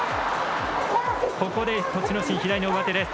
ここで栃ノ心、左の上手です。